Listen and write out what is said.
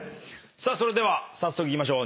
それでは早速いきましょう。